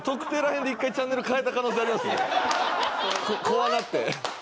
怖なって。